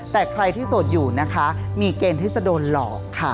แต่ใครที่โสดอยู่นะคะมีเกณฑ์ที่จะโดนหลอกค่ะ